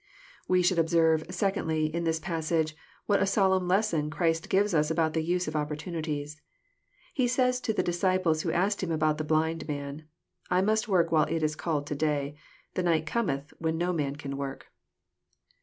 We should observe, secondly, in this passage, what a\\ solemn lesson Christ gives us about the use of opportunities. He says to the disciples who asked Him about the blind man, '' I must work while it is called to day : the night Cometh, when no man can work."